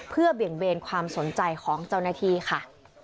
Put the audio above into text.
เพื่อเบี่ยงเบนความสนใจของเจ้าหน้าที่ค่ะ